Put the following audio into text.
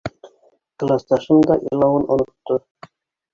Класташым да илауын онотто.